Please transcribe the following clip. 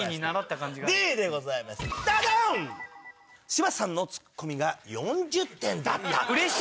「柴田さんのツッコミが４０点だった」